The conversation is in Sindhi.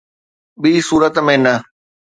”ٻي صورت ۾ نه.